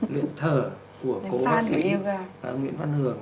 luyện thở của cố bác sĩ nguyễn văn hưởng